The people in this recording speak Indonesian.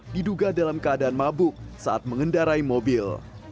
diduga dalam keadaan mabuk saat mengendarai mobil